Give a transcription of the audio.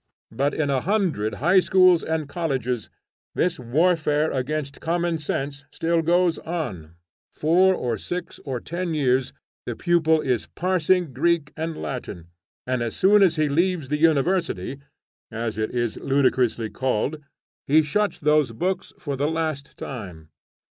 But in a hundred high schools and colleges this warfare against common sense still goes on. Four, or six, or ten years, the pupil is parsing Greek and Latin, and as soon as he leaves the University, as it is ludicrously called, he shuts those books for the last time.